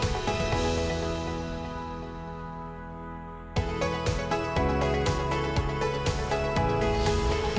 kita harus menghasilkan kebijakan yang lebih kontroversial